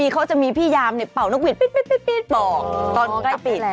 เขาจะมีพี่ยามเนี่ยเป่านกวิดปลีดปอกตอนใกล้ปีด